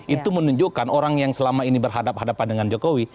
itu menunjukkan orang yang selama ini berhadapan hadapan dengan jokowi